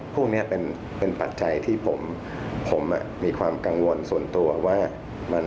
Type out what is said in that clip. พวกนี้เป็นปัจจัยที่ผมมีความกังวลส่วนตัวว่า